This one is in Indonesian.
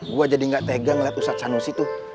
gua jadi gak tegang liat ustaz sanusi tuh